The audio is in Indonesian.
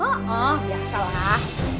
oh oh biasalah